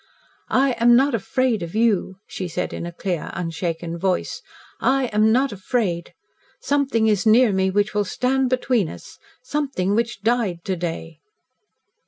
"I am not afraid of you," she said, in a clear, unshaken voice. "I am not afraid. Something is near me which will stand between us something which DIED to day."